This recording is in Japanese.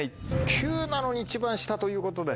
９なのに一番下ということで。